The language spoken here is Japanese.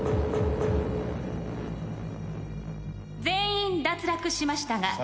全員脱落しましたが。